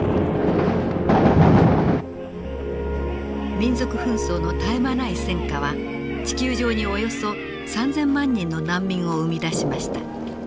民族紛争の絶え間ない戦火は地球上におよそ３，０００万人の難民を生み出しました。